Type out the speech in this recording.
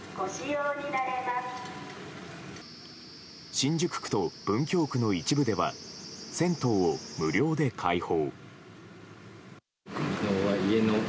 新宿区と文京区の一部では銭湯を無料で開放。